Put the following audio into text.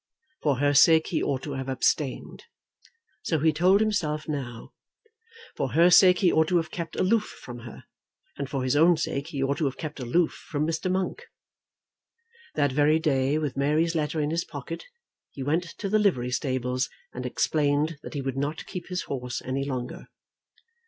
For her sake he ought to have abstained. So he told himself now. For her sake he ought to have kept aloof from her; and for his own sake he ought to have kept aloof from Mr. Monk. That very day, with Mary's letter in his pocket, he went to the livery stables and explained that he would not keep his horse any longer.